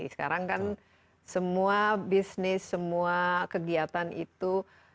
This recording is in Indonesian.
semua kegiatan itu